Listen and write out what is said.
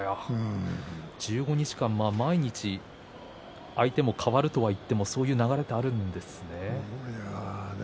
１５日間、毎日相手も変わるとはいってもそういう流れがあるんですね。